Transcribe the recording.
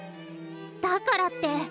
だからって。